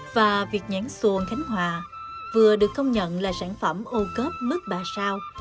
và việc nhãn xuồng khánh hòa vừa được công nhận là sản phẩm ô cớp mức ba sao